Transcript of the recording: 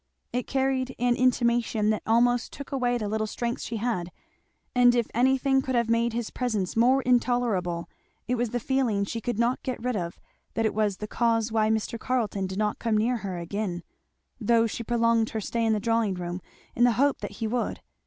It carried an intimation that almost took away the little strength she had. And if anything could have made his presence more intolerable, it was the feeling she could not get rid of that it was the cause why Mr. Carleton did not come near her again; though she prolonged her stay in the drawing room in the hope that he would.